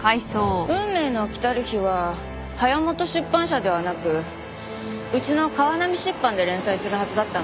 『運命の来たる日』は早元出版社ではなくうちの川波出版で連載するはずだったんです。